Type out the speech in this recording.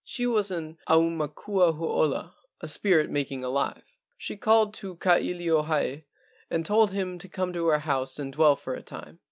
She was an aumakua ho ola (a spirit making alive). She called to Ka ilio hae and told him to come to her house and dwell for a time.